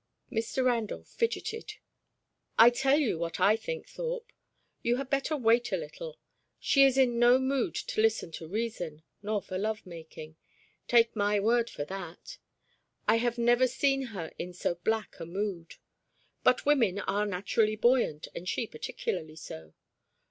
Mr. Randolph fidgeted, "I tell you what I think, Thorpe; you had better wait a little. She is in no mood to listen to reason, nor for love making take my word for that. I have never seen her in so black a mood. But women are naturally buoyant, and she particularly so.